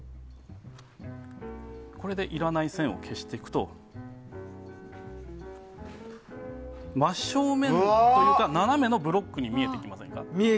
これでいらない線を消していくと真正面というか斜めのブロックに見えてきます。